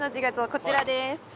こちらです。